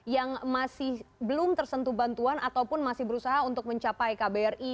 yang masih belum tersentuh bantuan ataupun masih berusaha untuk mencapai kbri